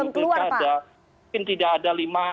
mungkin tidak ada